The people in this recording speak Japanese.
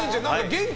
元気。